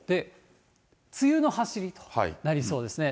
梅雨のはしりとなりそうですね。